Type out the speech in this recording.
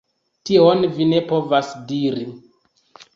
Tion vi ne povas diri!